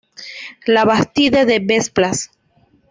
La Bastide-de-Besplas